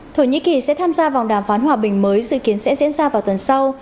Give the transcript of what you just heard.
thổ nhĩ kỳ sẽ tham gia vòng đàm phán hòa bình mới dự kiến sẽ diễn ra vào tuần sau